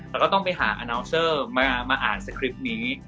แล้วก็ต้องไปหาน้องเซอร์มาอ่านสคริปต์นี้